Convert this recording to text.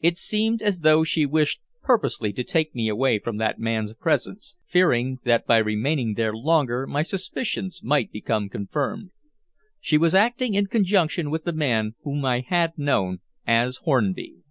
It seemed as though she wished purposely to take me away from that man's presence, fearing that by remaining there longer my suspicions might become confirmed. She was acting in conjunction with the man whom I had known as Hornby.